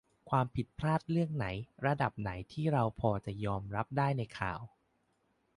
ความผิดพลาดเรื่องไหนระดับไหนที่เราพอจะยอมรับได้ในข่าว ?